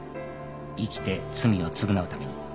生きて罪を償うために。